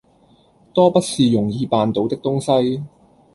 多不是容易辦到的東西。